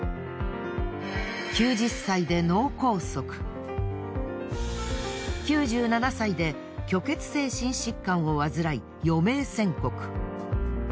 ９０歳で脳梗塞９７歳で虚血性心疾患を患い余命宣告。